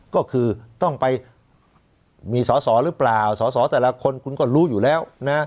ก็คือต้องไปมีสอสอหรือเปล่าสอสอแต่ละคนคุณก็รู้อยู่แล้วนะ